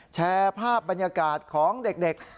แชร์ภาพบรรยากาศของเด็ก